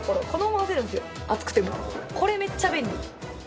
これめっちゃ便利。